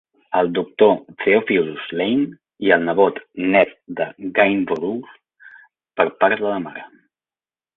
El doctor Theopilus Lane, i el nebot net de Gainsborough per part de la mare.